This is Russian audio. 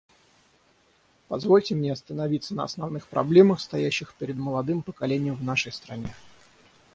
Позвольте мне остановиться на основных проблемах, стоящих перед молодым поколением в нашей стране.